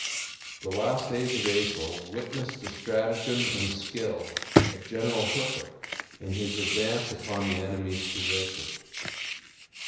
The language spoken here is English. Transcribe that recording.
The last days of April witnessed the stratagem and skill of General Hooker, in his advance upon the enemy's position.